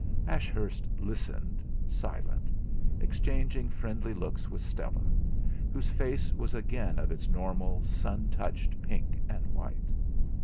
Ashurst listened, silent, exchanging friendly looks with Stella, whose face was again of its normal sun touched pink and white.